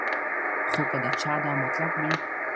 خو کۀ د چا دا مطلب وي